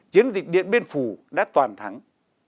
chiến dịch điện biên phủ đã toàn thắng